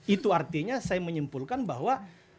itu artinya saya menyimpulkan bahwa